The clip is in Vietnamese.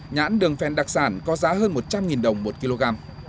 nhãn đường phen đặc sản có giá hơn một trăm linh đồng một kg